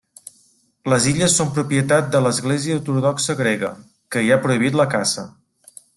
Les illes són propietat de l'Església Ortodoxa Grega, que hi ha prohibit la caça.